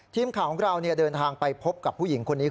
ทีมข่าวของเราเดินทางไปพบกับผู้หญิงคนนี้